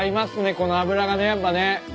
この脂がねやっぱね。